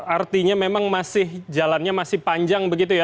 artinya memang masih jalannya masih panjang begitu ya